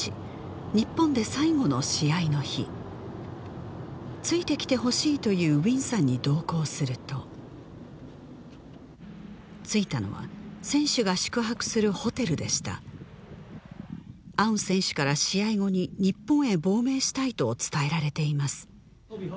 日本で最後の試合の日ついてきてほしいと言うウィンさんに同行すると着いたのは選手が宿泊するホテルでしたアウン選手から試合後に日本へ亡命したいと伝えられています